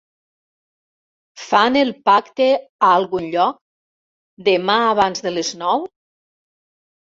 Fan El Pacte a algun lloc, demà abans de les nou?